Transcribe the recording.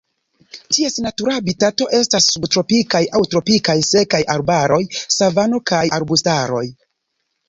Ties natura habitato estas subtropikaj aŭ tropikaj sekaj arbaroj, savano kaj arbustaroj.